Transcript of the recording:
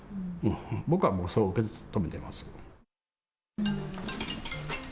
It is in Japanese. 僕はもうそう受け止めてます。